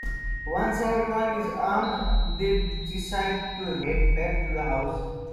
Once everyone is armed, they decide to head back to the house.